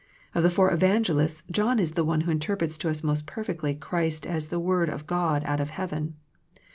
Of the four evangelists John is the one who interprets to us most perfectly Christ as the Word of God out of heaven.